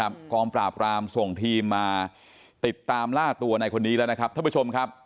ล่าสุดมีรายงานว่ากองปราบก็ส่งทีมมาแล้วนะครับล่าสุดมีรายงานว่ากองปราบก็ส่งทีมมาแล้วนะครับ